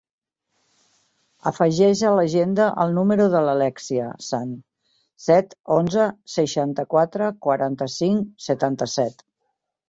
Afegeix a l'agenda el número de l'Alèxia Sun: set, onze, seixanta-quatre, quaranta-cinc, setanta-set.